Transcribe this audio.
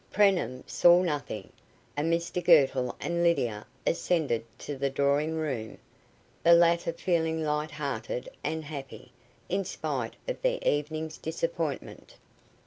Preenham saw nothing, and Mr Girtle and Lydia ascended to the drawing room, the latter feeling light hearted and happy, in spite of the evening's disappointment.